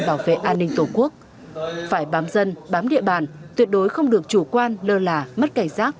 bảo vệ an ninh tổ quốc phải bám dân bám địa bàn tuyệt đối không được chủ quan lơ là mất cảnh giác